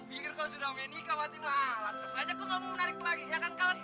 pikir kau sudah menikah mati malah saja kau menarik lagi ya kan kawan